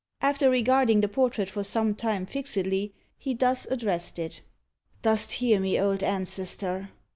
After regarding the portrait for some time fixedly, he thus addressed it: "Dost hear me, old ancestor?"